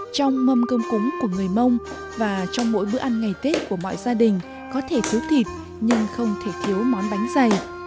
trong mâm cơm cúng của người mông và trong mỗi bữa ăn ngày tết của mọi gia đình có thể thiếu thịt nhưng không thể thiếu món bánh dày